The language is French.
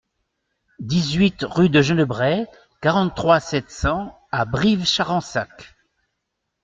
dix-huit rue de Genebret, quarante-trois, sept cents à Brives-Charensac